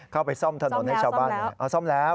เข้าไปซ่อมถนนให้ชาวบ้านเอาซ่อมแล้ว